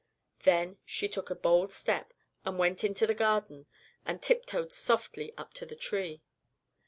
"Then she took a bold step and went into the Garden and tiptoed softly up to the tree.